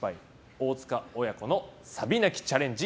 大塚親子のサビ泣きチャレンジ